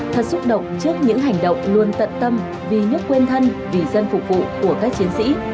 thật xúc động trước những hành động luôn tận tâm vì nước quên thân vì dân phục vụ của các chiến sĩ